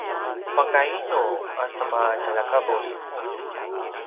makainu a sema tjaljakavus?